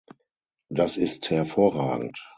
Das ist hervorragend.